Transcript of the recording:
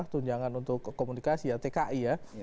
tunjangan untuk komunikasi ya tki ya